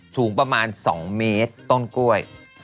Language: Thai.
สูงประมาณ๒เมตรต้นกล้วย